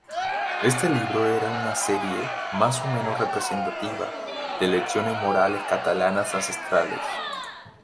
Este libro era una serie, más o menos representativa, de lecciones morales catalanas ancestrales.